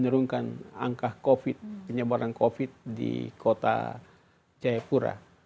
menurunkan angka covid penyebaran covid di kota jayapura